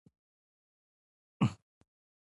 د مصطکي د خولې د خوشبو لپاره وکاروئ